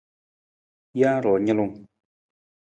Jee ru nalung.